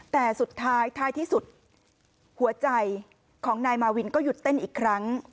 แต่สุดท้ายท้ายที่สุดหัวใจของนายมาวินก็หยุดเต้นอีกครั้ง